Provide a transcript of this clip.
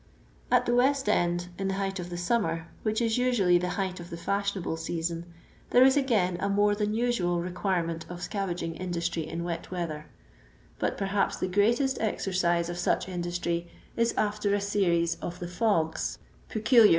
At the West End, in the height of the summer, which is usually the height of the fashionable season, there is again a more than usual requirement of scavaging industry in wet weather ; but perhaps the greatest exercise of such industry is after a series of the fogs peculiar LONDON LABOUR AND THE LONDON POOR.